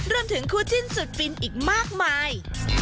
รวมถึงคู่จิ้นสุดฟินอีกมากมาย